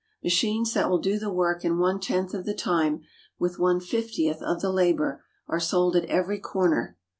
Machines that will do the work in one tenth of the time, with one fiftieth of the labor, are sold at every corner.